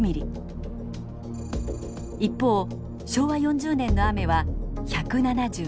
一方昭和４０年の雨は１７２ｍｍ。